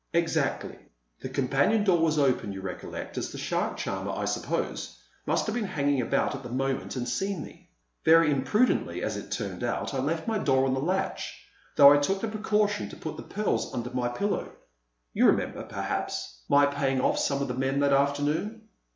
"Exactly. The companion door was open, you recollect, and the shark charmer, I suppose, must have been hanging about at the moment and seen me. Very imprudently, as it turned out, I left my door on the latch, though I took the precaution to put the pearls under my pillow. You remember, perhaps, my paying off some of the men that afternoon?